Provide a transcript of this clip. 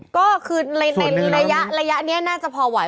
ก็คือในระยะนี้น่าจะพอไหว